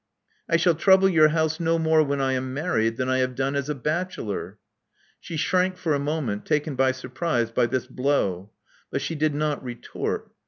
I shall trouble your house no more when I am married than I have done as a bachelor." She shrank for a moment, taken by surprise by this blow ; but she did not retort.